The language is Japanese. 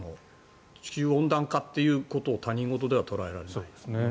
地球温暖化ということを他人事では捉えられない。